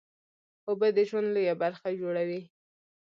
اوبه د ژوند لویه برخه جوړوي